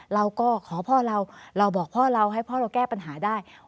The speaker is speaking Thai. เราก็ขอพ่อเราเราบอกพ่อเราให้พ่อเราแก้ปัญหาได้